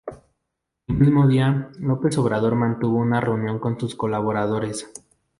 El mismo día, López Obrador mantuvo una reunión con su y colaboradores.